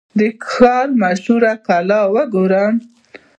د ښار مشهوره کلا وګورم.